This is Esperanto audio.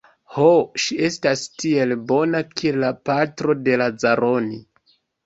Ho, ŝi estas tiel bona kiel la patro de Lazaroni.